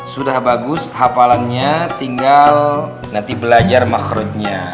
sudah bagus hafalannya tinggal nanti belajar makhluknya